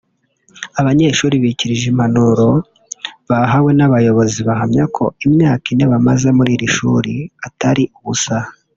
Abanyeshuri bikirije impanuro bahawe n’aba bayobozi bahamya ko imyaka ine bamaze muri iri shuri atari ubusa